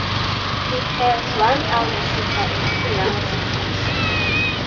He has one elder sister and two younger sisters.